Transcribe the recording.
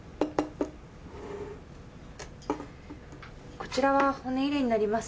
こちらは骨入れになります。